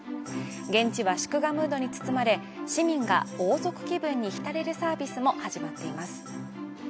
現地は祝賀ムードに包まれ、市民が王族気分に浸れるサービスも始まっています。